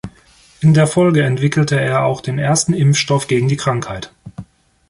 In der Folge entwickelte er auch den ersten Impfstoff gegen die Krankheit.